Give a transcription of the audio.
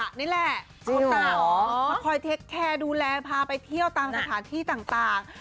จริงเหรอเพราะคอยเทคแคร์ดูแลพาไปเที่ยวตามสถานที่ต่าง